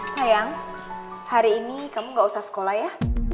sayang hari ini kamu gak usah sekolah ya